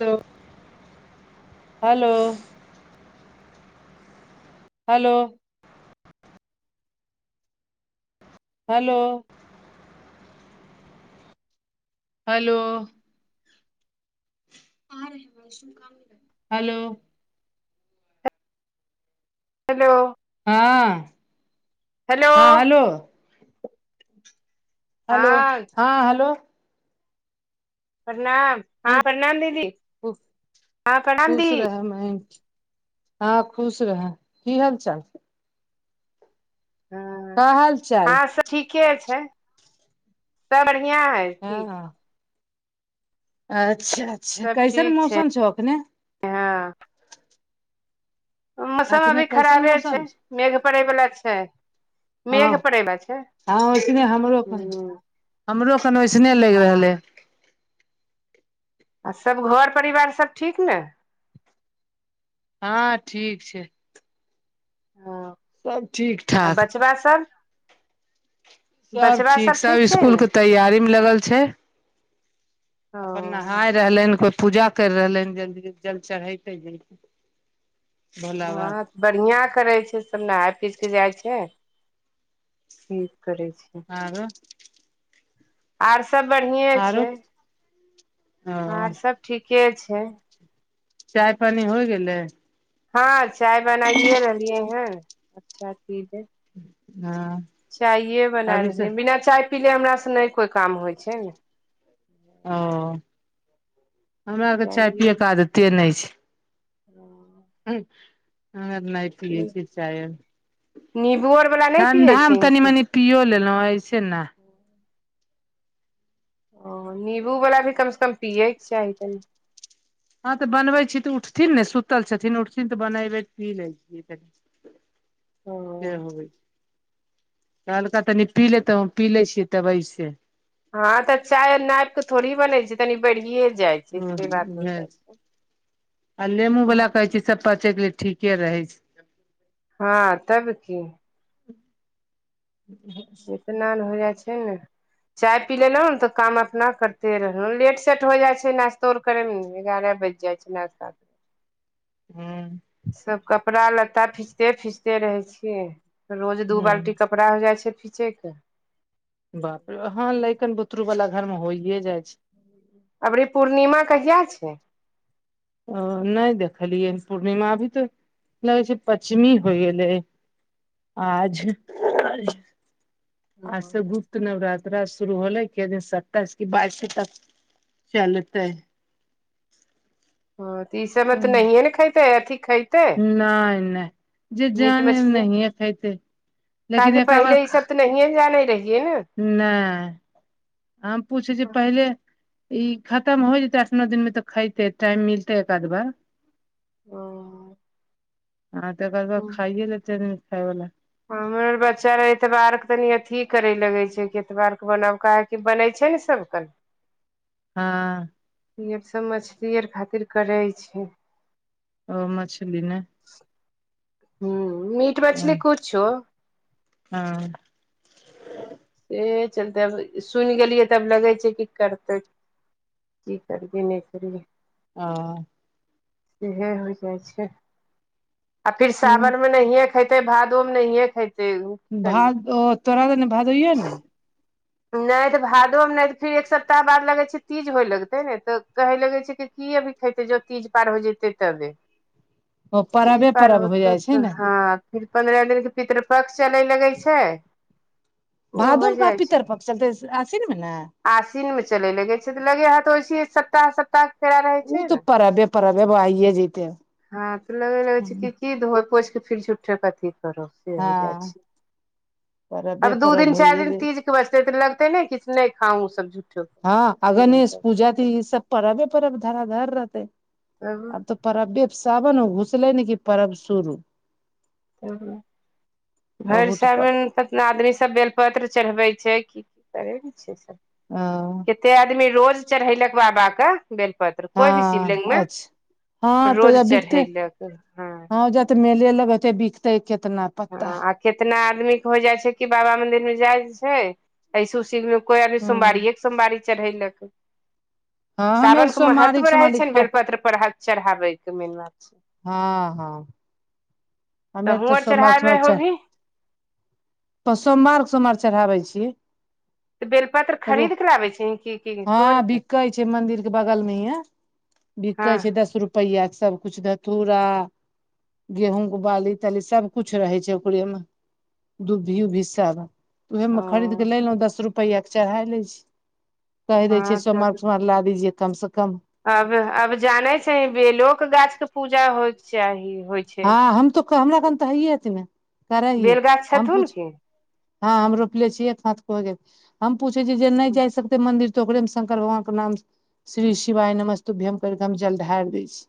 ह hello. Hello. Hello. Hello. Hello. Hello. ह ह हेलो हेलो हँ ह हेलो प्रणाम ह की प्रणाम दीदी ह प्रणाम दी समय। हँ खुश रहै कि हाल चाल छै हँ ह हाल चाल हँ सब ठीके छै सभ बढ़िया है ह ठीक ह अच्छा अच्छा कैसन मौसम छौ अपखने। ह मौसम अखने अभी कैसन खराबे छै मौसम मेघ पड़े वला छै। ह मेघ पड़े बला छै हथि नहि हमरखन हूं हमरो कन ओइसने लागि रहलै। हँ आ सभ घर परिवार सभ ठीक ने ह ठीक छै सभ ठीक ठाक बैसर। सभ ठीक सब सभ छै स्सकुल ने के तैयारी मे लगल छै अपन ओ नहााय रहलै ह कोइ पूजा करि रहलै हैं जल जल चढ़ैते जते भोला बाबा कऽ बढ़िया करे छै सभ नहाय पीस के जाइ छै। ठीक करै छीय। आग। आर सभ बढ़िए आरो छै ओ आर सभ ठीके छै चाय पानी होइ गेलै। हँ चाय बनाइए रहलियै हैं अच्छा चीज ह चाये बना रहल बिना चाय पीले हमर से नहि कोइ काम होइ छै ने। ओ हमरा आरके चाय पियएके देते नहि छै। ह। ह आ नत। नीबू आर वला नहि पियै छै ठण्डामे तनि की मनि पिओ लेलहुँ अऐसे ने। ओ नीमबूवला भी कम से कम पियएके चाही तनि। हँ तऽ बनबै छी तऽ उठथिन ने सुतल छथिन उठथिन त बनेबे पी लै छियै कनि से ओ ह कलका तनी पी ले तऽ हम पी ले छियै तब से ह तऽ चाय नाप के थोड़ी बने छै तनी बढ़िये जाय छै ह से बात हो उएह जाइ छै आ नेमू वला कहै छै सभ पचे के लिए ठीके रहै छै हँ तब कि [inaudible] स्नान हो जाइ छै न चाय पी लेलहूँ ने तऽ काम अपना करते रहलहु लेट सेट हो जाइ छै नाश्तो आर करेमे एगारह बजे जाच ने हू सभ कपड़ा लत्ता फीचते फीचते रहै छियै रोज दू हूं बाल्टी कपड़ा हो जाइ छै खीचे क हँ लकन बुतरू वालला घर मे होइे जाइ छै। अबरी पूर्णिमा कहिया छै नहि देखलियै पूर्णिमा अभी तऽ लगै छै पच्चिमी हो गेलै आज आज हँ सभ नवरात्रा शुरू होलै के दिन स्ताइस कऽ बारसे तक चलतै ह तऽ ई सभ मे तऽ ने खा तै अथी खाइ नहि नहि जे मीट जान मछली नहि खेते लेकिन एक बार नहियए जाने रहियै न नहि हम पूछै छी पहिले। ई खतम हो जते आठ न दिन मे तऽ खेते टाइम मिलते एक आध बार औ हँ तऽ कह खाइ लऽ तऽ खायइवला हमरर बच्चा एतबार के तनी अथी करे लगे छै कि एतबार के बनाव कऽ कि बनै छै ने सभके हँ ई आर सभ मछली आर खातिर करै छै ओ मछली न हू मीट मछली कुछ छो हँ से चलते आब सुनि गेलियै तऽ लगै छै की करतै कि करिये नहिसए ह। इहे हो जाइ छै आ फेर सावन मे नहियए खते भादो मे नहिये खेइते भाद ओ तोरा तने भादोइौ न नहि तऽ भादोमे नहि तऽ फिर एक सप्ताह बाद लगै छै तीज होइ लगतै ने तऽ कहै लगै छै कि अभी खेते जो तीज पार हो जतै तबे ओ तीज परबे पार परब हो होतै जाइ छै त ने हँ फिर पन्ध्रा दिन के पितृ पक्ष चले लगै छै ओ हो भादोमे कऽ पितर पक चलतै आश्विन मे ने आस्विन मे चले लगे छै तऽ लगे हा तऽ ओइस सत्ताह सत्ताह। रहै ओ छै तऽ परबे परबे आइए जैते हँ तऽ लगै छै कि धो पोछि के फेर झुठे अथी करब हँ परबे अब दू परब दीन चैर होइये दीन जे तीज बचते तऽ लगते ने कि नहि खा सबू। हँ आ गणेश पूजाति ई सभ परबे परब धरा धर रहते तब अब तऽ परब सावन घुसले ने कि परब शुरू भैर बहुत पर सावन कतना आदमी सभ बेलपत्र चढ़बै छै कि कि करे छै सभ ह कतेए आदमी रोज चढ़ेलक बाबा कऽ बेल पत्र कोय भी हँ शिवलिंग मे अच्छा रोज चढ़ेलक ह जत मेले लग बिकतै केतना हैं पत्ता आ कितना आदमी के होइ जाइ छै कि बाबा मंदिर मे जाइ छै ऐस उसी मे कोइ आदमी हूँ सोमवारिए कऽ सोमवारी चढ़ैलक हँ हमे सावन कऽ सोमवारी महत्व रहै सोमवारी छैन खाय बेल पत्र चढ़ाबैक मेन बात छै ह ह हम तऽ और हुँ त आर सोमवार के सोमवार चढ़ाबै छैर होबही सोमबार-सोमबार चढ़ाबै छिय तऽ बेलपत्र रो खरीद के लाबै छी की की ह तोड़ कऽ बिकै छै मन्दिर के बगल मे या बिकै हँ छै दस रुपया सभकुछ धथूरा गेहूँ बाली -ताली सभ कुछ रहै छै ओकरेमे दुधीयो भिस्सारा उहेए ओ मे खरीद के लैलौ दस रुपया के चढ़ाय लैय छी। कहि दै छियै हँ सोमवार- तब सोमवार ला दीजिये कम से कम अब -अब जानै छै बेलोक गाछ कऽ पूजा होइक चाही होइ छै हँ हम तो हमरा कन तऽ हइये छैले करै ही बेल गाछ हम छथुन पूछ की हँ हम रोपले छियै हा हम पूछे छी जे नहि जाय सक जेते मंदिर तऽ ओकरे मे शंकर भगवान के नाम श्री शिवाय नमस्तु भ्यम कर के हम जल ढारि दय छीयै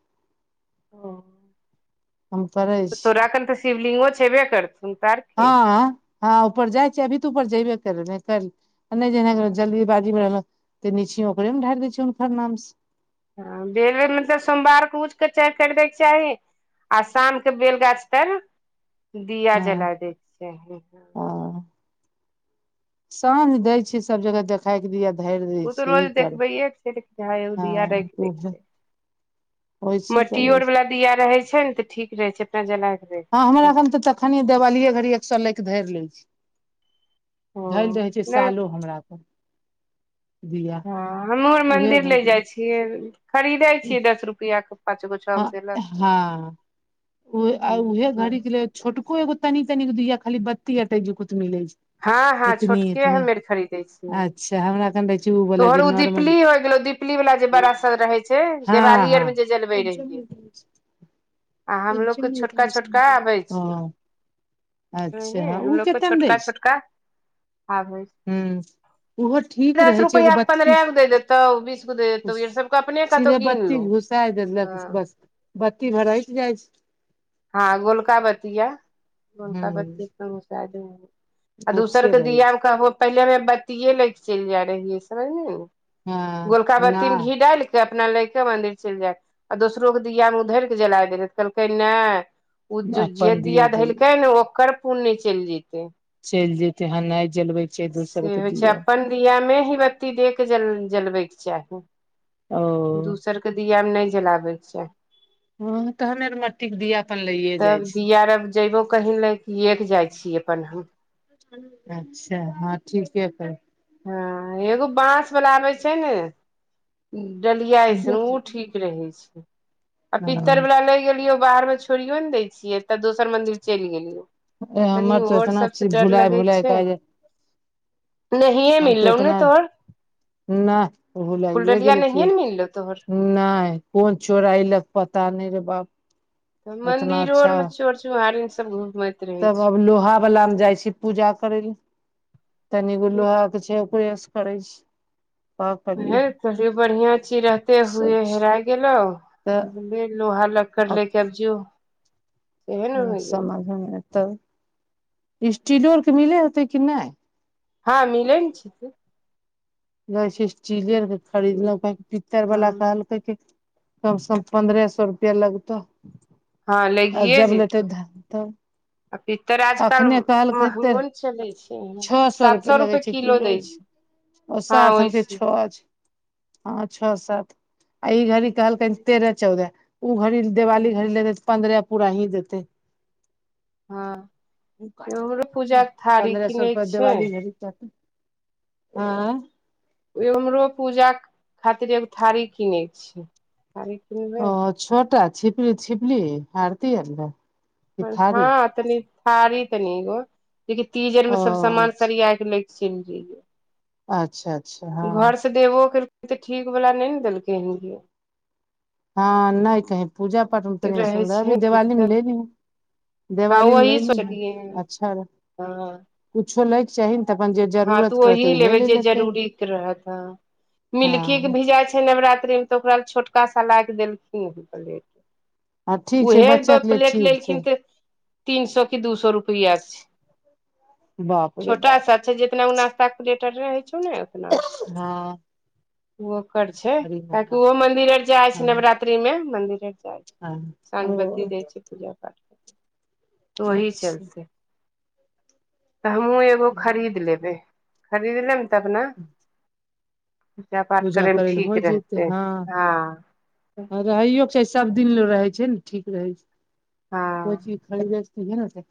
[inaudible] हम परहैय। तोराखन तऽ शिवलिंगो छेबे करथुन त ह ह ऊपर जाइ छिय अभी तऽ ऊपर जेबे करबै कर आ नै जेनैभेलौ हँ जल्दीबाजीमे रहल तऽ नीचही ओकरेमे ढारि द छ हुनकर नाम से ह [unintelligible] मतलब सोमवार पुछ कऽ चाय खैरदयके चाही आ शाम केँ बेलगाछ तर [inaudible] दिया हँ जला दैत कऽ चाही [unintelligible] साँझ दैय छै सब जगह देख [unintelligible] ओ तऽ रोज देखबैय केँ छै हँ एगो दिया रैख दै कऽ चाही ओहि [inaudible] म से करै मट्टियों छै अर वाला दीया रहै छै न तऽ ठीक रहै छैय तऽ जल कऽ रैख हँ हमराखन तऽ तखने देवालीेये घड़ी एक सौ लै कऽ धरि लै छी [inaudible] धैल हँ रहै छै नहि सालो हमरा तऽ [inaudible] दिया हँ हमहुँ अर मंदिर ले जाइ छियै खरीदैय छियै दस रुपया कऽ ह हँ [unintelligible] आ उह घड़ गेल छोटको एगो तनी तनी दिया खाली बत्ती ओटै जुकूत मिलै छै हँ हँ छोट केँ हम अर खरीदैय छियै से हमरा सन रहै छै ओ वला जे तोहरो ओ नॉर्मल दीपली हो गेलो दीपली वाला जे बड़ा सब रहे छै हँ देवाली आर मे जे जलबै रहियै [unintelligible] आ हमलोग कऽ छोटका छोटका आबै छैय ओ हं अच्छा नै हँ ओ हमलोग को केतेमे छोटका छोटका आबै छैय हुँ ओहो ठीक रहै छैय एगो रुपैया के पन्द्रह बत्तीस गो दे देतौ बीस गो दे देतौ ई सबके अपने [inaudible] कतौ सीधे गिन लो बत्तीस घुसाय दैलक हँ बस बत्ती छरैक जाइ छैय हँ गोलका बत्तिया गोलका हूँ बत्ती [unintelligible] आ दोसर अच्छे केँ रहै छै दीया मे कहबो पहिले हमे बत्तियए लैके चैल जाइ रहियै समझलीही हँ गोलका बत्ति में नहि घी डैल कै अपना लै केँ मंदिर चैल जाय आ दोसरो केँ दीया में उऽ धैर केँ जलाय दैय रहै कहलकै नै उ जो जे अपन दिया दीया जल धेलकै ने ओकर पुण्य चैल जैइते चैल जैइते हँ नै जलबै केँ चाही दोसर कऽ दीया दीया में ही बत्ती देके जल जलबै केँ चाही [unintelligible] दूसर कऽ दीया में नै जलाबै कऽ चाही हु तहने न मट्टी कऽ दीया तब दीयारब जयबो कहीं लयकिये जाय छियै अपन हम अच्छा हँ ठीके हँ एगो बांस बला आबै छैय ने डलिया ऐसन उऽ ठीक रहै छैय आ पीत्तर ह वला लै गेलियौ बाहर में छोड़ियो न दैय छियै तऽ दोसर मन्दिर चैल गेलियै तनि हमर तऽ इतना व्हाट्सएप स चीज डर भुलाय लगै भुलाय छैय क जे हम तऽ मिललौ ने एतना तोहर [inaudible] नै ओहो लाइये फुलडलिया नहिये गेलखिन ने मिललौ तोहर [inaudible] नै कोन चोराय लक पता नै रे बाप उतना मंदिरो अर अच्छा में चोर चुम्हारे सब घुमैत रहै तब अब छै लोहावला में जाय छी पूजा करयल [inaudible] तनी गो लोहाक छैय ऊपरे सऽ करै छी का करियै हैय थोड़े बढ़िया चीज रहते सब हुये हेराय गेलौ। तऽ लोहा लकड़ लेके आब जो सेहे ने होइ गेलौ समझ मे एतौ स्टीलो आर के मिले हेतै कि नहि ह मिलै ने छैय कहै छैय स्टीले आर के खरीदलहुँ कही पित्तर हँ वला दान करतै कम सँ कम पन्द्रह सौ रूपैया लगतौ। ह आ लगिये जब लेते जेतै तऽ आ पित्तर आजकल अखने कहलकै तऽ महंगो न चलै छैय छओ सए सात रुपए सौ लगै रूपे छै किलो दैय छैय [inaudible] ओ सात हम कहै छह छैय हँ छह सात आई घड़ी कहलकै तेरह चौदह ओ घड़ी देवाली घड़ी लेबै त पन्द्रह पूरा ही देतै। ह पन्द्रह सौ किनै रूपैया छै दिवाली घड़ीटा के आय ओ हमरो पूजा कऽ खातिर एगो थारी किनैक छैय थारी किनबै छहटा छिपली छिपली आरती आर ले हँ तनी थारी तनि गो जे कि तीज आर मे सभ ओ समान सरिया लैत चलि जेबै। अच्छा अच्छा हँ देबो केलकै तऽ ठीक वाला नहि ने देलकै ह हँ नहि कही पूजा पाठ मे तनी रहै सुन्दर अभी छै दिवाली मे दिक्कत ले लिहो हँ देवाली मे वही ले लिहे सोचलियै अच्छा कुछो लैके चाही ने तऽ अपन जे ह तऽ जरूरत वही करतै उहे लेबै ले जे लेतै जरूरी के रहत मिलकी के हँ भी जाय छैय नवरात्रि। तऽ ओकरा ल छोटका सा लाय के देलखिन हे पलेट आ ठीक छै उहे बच्चा बेर के लिए प्लेट ठीक लेलखिन छै तऽ तीन सौ कि दू सौ रूपैया के छैय बाप रे बाप। जेतना उ नास्ता कऽ प्लेट अर रहै छौ ने अपना हँ ओकर छैय हरी काहे कि हँ ओहो मंदिर आर जाय छैय हँ नवरात्रि मे मंदिर जाय छैय। सांझ बत्ती ओ दैय छैय पुतो हैं ओही अच्छा चलते तऽ हमहुँ एगो खरीद। लेबे खरीद लेम तब न पूजा पाठ करैमे करै लए ठीक हो रहतै ह ह रहैयोके छै सभदिन लऽ रहै छै ने ठीक रहै छै कोइ हँ चीज खरीदने से ठीके ने होय छै।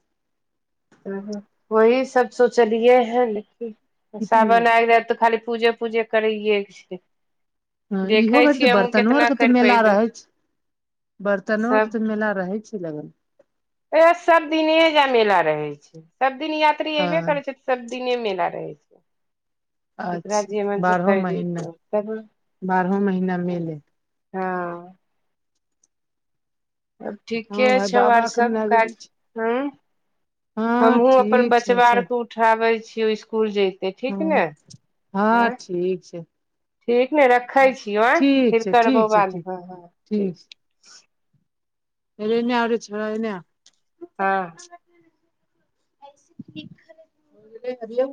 तऽ वही सभ सोचलियै हँ लेकिन ने सावन आबि जायत तऽ खाली पूजे पूजे करैके छै। ह इहो देखै बेर छियै तऽ हमहूँ बर्तनो केतना आरके तऽ करि मेला पैबै रहै छै। बर्तनो आर सब के त मेला रहै छै लगल तय सभ दिने ऐजा मेला रहै छै सभ दिन यात्री अयबे हँ करै छै सभदिने मेला रहै छै। अच्छा शकराजी मन सु बारहो खरीद महीना छै तऽ बारहो महीना मेले ह तब ठीके हँ भाय छौ आर बाबा के सभ काज नगरी छै हैं हँ हमहूँ अपन ठीक छै बचबा आर सब के उठाबे छीयौ इसकुल जइ हँ ठीक छै ठीक ने रखै छीयौ आँय ठीक फिर छै करबौ ठीक छै ठीक बादमे हँ हँ ठीक हेरे ईने आओरे छौड़ा ईने आ हँ [inaudible]